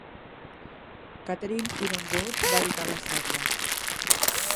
Catherine Yronwode va editar la sèrie.